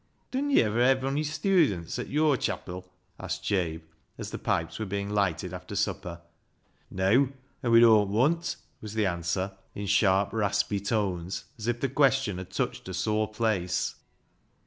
" Dun yo' iver hev' ony sthudents at yore chapil ?" asked Jabe, as the pipes were being lighted after supper. " Neaw ; an' we dooan't want," was the answer, in sharp, raspy tones, as if the question had touched a sore place.